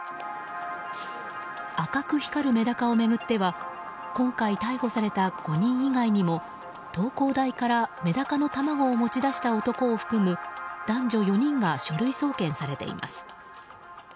赤く光るメダカを巡っては今回逮捕された５人以外にも東工大からメダカの卵を持ち出した男を含む男女４人が書類送検されています。